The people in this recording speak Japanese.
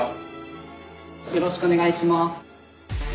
よろしくお願いします。